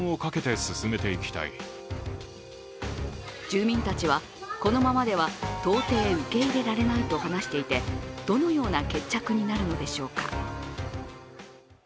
住民たちは、このままでは到底受け入れられないと話していて、どのような決着になるのでしょうか。